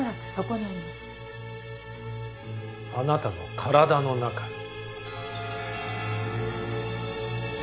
あなたの体の中に。